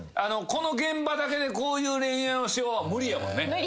この現場だけでこういう恋愛をしようは無理やね。